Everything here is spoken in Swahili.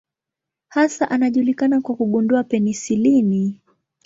Hasa anajulikana kwa kugundua penisilini.